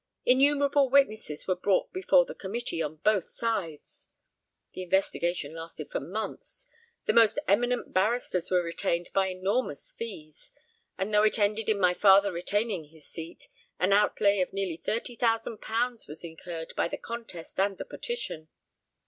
Innumerable witnesses were brought before the committee on both sides; the investigation lasted for months; the most eminent barristers were retained by enormous fees; and though it ended in my father retaining his seat, an outlay of nearly thirty thousand pounds was incurred by the contest and the petition.